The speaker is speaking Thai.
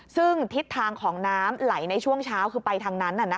ซึ่งทิศทางของน้ำไหลในช่วงเช้าคือไปทางนั้น